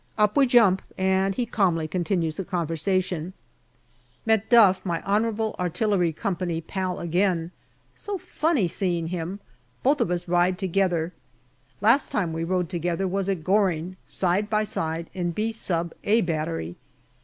Up we jump, and he calmly continues the conversation. Met Duff, my H.A.C. pal, again ; so funny seeing him ; both of us ride together. Last time we rode together was at Goring, side by side in B Sub., A Battery.